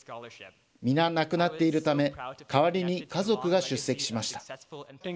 皆亡くなっているため、代わりに家族が出席しました。